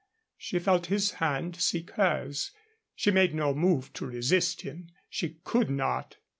She felt his hand seek hers. She made no move to resist him. She could not.